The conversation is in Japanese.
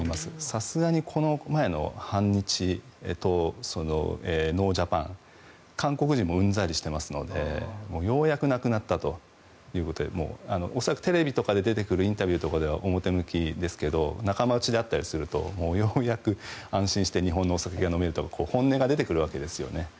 さすがにこの前の反日ノージャパンは韓国人もうんざりしていますのでようやくなくなったということで恐らく、テレビとかで出てくるインタビューとかでは表向きですけど仲間内であったりするとようやく安心して日本のお酒が飲めるとか本音が出てくるわけですよね。